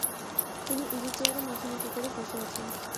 তিনি ইজিচেয়ারে মাথা নিচু করে বসে আছেন।